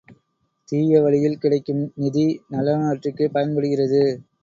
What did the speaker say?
தீய வழியில் கிடைக்கும் நிதி நல்லனவற்றிற்குப் பயன்படுகிறது.